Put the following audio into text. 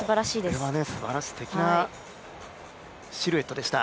これはもうすばらしいすてきなシルエットでした。